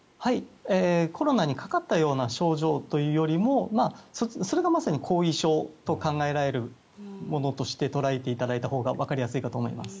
コロナにかかったような症状というよりもそれがまさに後遺症と考えられるものとして捉えていただいたほうがわかりやすいかと思います。